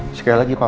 oh iya baik pak